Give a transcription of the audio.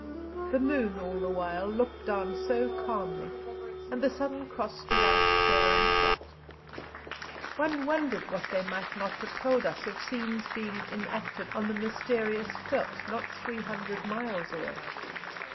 The moon all the while looked down so calmly, and the Southern Cross stood out clear and bright. One wondered what they might not have told us of scenes being enacted on the mysterious veldt, not 300 miles away.